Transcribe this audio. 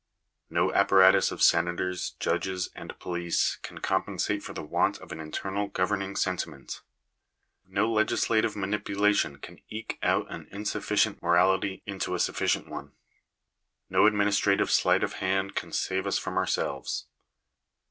No apparatus of senators, judges, and police, can compensate for the want of an internal governing sentiment. No legislative manipulation can eke out an insuffi cient morality into a sufficient one. No administrative sleight of hand can save us from ourselves.